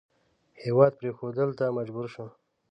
هېواد پرېښودلو ته مجبور شو.